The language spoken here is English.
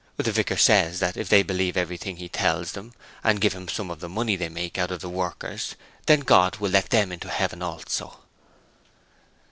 'The vicar says that if they believe everything he tells them and give him some of the money they make out of the workers, then God will let them into heaven also.'